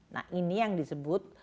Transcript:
nah ini yang disebut